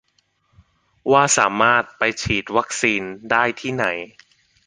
ว่าสามารถไปฉีดวัคซีนได้ที่ไหน